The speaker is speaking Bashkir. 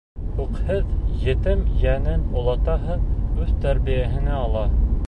Үкһеҙ етем ейәнен олатаһы үҙ тәрбиәһенә ала.